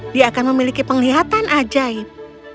dia akan memiliki penglihatan ajaib